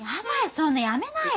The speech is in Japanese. そんなんやめなよ。